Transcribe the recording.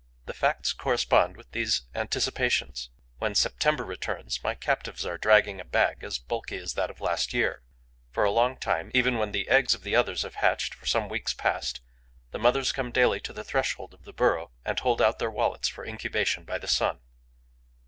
The facts correspond with these anticipations. When September returns, my captives are dragging a bag as bulky as that of last year. For a long time, even when the eggs of the others have been hatched for some weeks past, the mothers come daily to the threshold of the burrow and hold out their wallets for incubation by the sun.